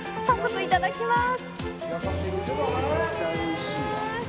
早速、いただきます。